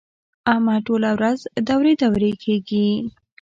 احمد ټوله ورځ دورې دورې کېږي.